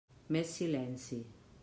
Més silenci.